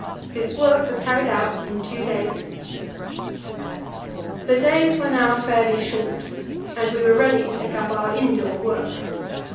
This work was carried out in two days. The days were now fairly short, and we were ready to take up our indoor work.